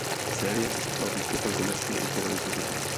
Série se setkala s úspěchem komerčně i z pohledu kritiků.